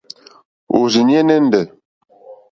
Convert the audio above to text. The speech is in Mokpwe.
Òrzìɲɛ́ nɛ́ndɛ̀.